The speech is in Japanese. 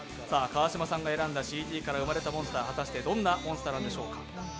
川島さんが選んだＣＤから選んだモンスター、果たしてどんなモンスターなんでしょうか。